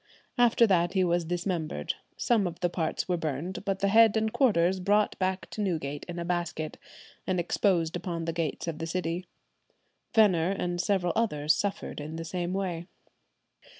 After that he was dismembered; some of the parts were burnt, but the head and quarters brought back to Newgate in a basket, and exposed upon the gates of the city. Venner and several others suffered in the same way.